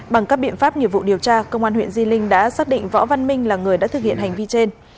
bằng các biện pháp nghiệp vụ điều tra công an huyện di linh đã xác định võ văn minh là người đã thực hiện hành vi trên